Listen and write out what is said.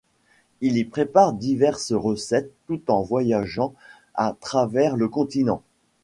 Il y prépare diverses recettes tout en voyageant à travers le continent.